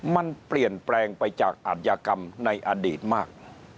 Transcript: มันเปลี่ยนแปลงไปจากอัธยกรรมในอดีตมาก